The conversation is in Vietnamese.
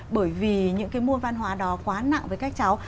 bởi vì những cái môn văn hóa đó quá nặng với các cháu